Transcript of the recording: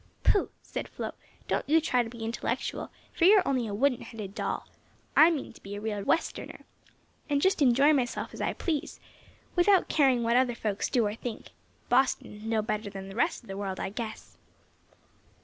"Pooh!" said Flo, "don't you try to be intellectual, for you are only a wooden headed doll. I mean to be a real Westerner, and just enjoy myself as I please, without caring what other folks do or think. Boston is no better than the rest of the world, I guess."